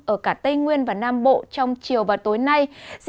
ở cả tây nguyên và nam bộ trong chiều và tối nay